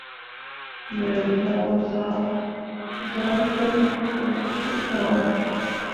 Me võo zan tel pu pããre.